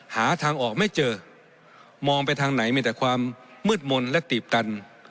หาทางออกไม่เจอมองไปทางไหนมีแต่ความมืดมนต์และตีบกัน